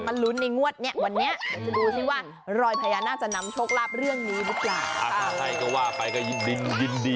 บางคนอาจจะไม่ได้โชคลาภทางนี้แต่ผสมโชคลาภอย่างนั้น